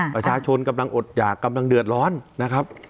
ประชาชนกำลังอดหยากกำลังเดือดร้อนนะครับ